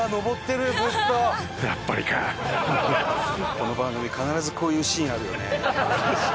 この番組必ずこういうシーンあるよね。